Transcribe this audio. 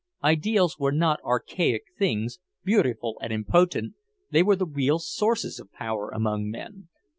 Ideals were not archaic things, beautiful and impotent; they were the real sources of power among men.